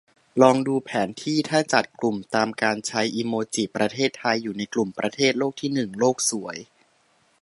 ลองดูแผนที่ ถ้าจัดกลุ่มตามการใช้อิโมจิ ประเทศไทยอยู่ในกลุ่มประเทศโลกที่หนึ่ง ! โลกสวย